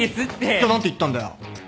じゃあ何て言ったんだよ？